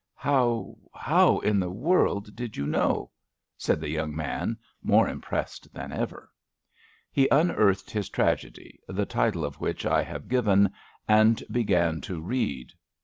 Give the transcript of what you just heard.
How — ^how in the world did you knowt said the young man, more impressed than ever. He unearthed his tragedy, the title of which I have given, and began to read.